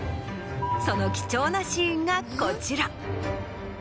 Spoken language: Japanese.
その貴重なシーンがこちら。